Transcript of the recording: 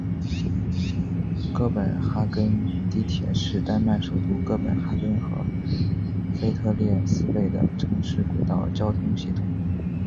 哥本哈根地铁是丹麦首都哥本哈根和腓特烈斯贝的城市轨道交通系统。